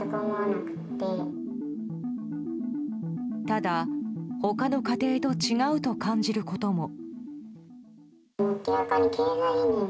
ただ、他の家庭と違うと感じることも。